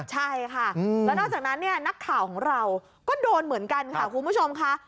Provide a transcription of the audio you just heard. ใช่ค่ะแล้วนอกจากนั้นเนี่ยนักข่าวของเราก็โดนเหมือนกันค่ะคุณผู้ชมค่ะ